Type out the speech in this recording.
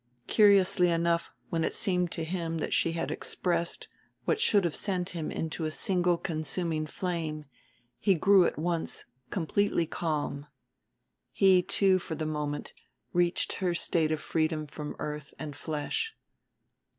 Curiously enough when it seemed to him that she had expressed what should have sent him into a single consuming flame he grew at once completely calm. He, too, for the moment, reached her state of freedom from earth and flesh.